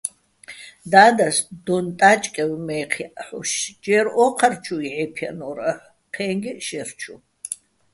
და́დას დონ-ტა́ჭკევ მაჲჴი̆ ჲა́ჰ̦ოშ ჯერ ო́ჴარჩუ ჲჵე́ფჲანო́რ აჰ̦ო̆, ჴე́ჼგეჸ შაჲრჩუ.